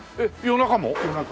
夜中も。